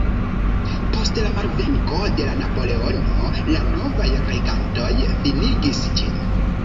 Post la malvenko de Napoleono, la novaj regantoj finigis ĝin.